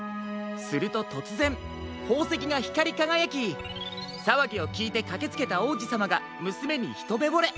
するととつぜんほうせきがひかりかがやきさわぎをきいてかけつけたおうじさまがむすめにひとめぼれ。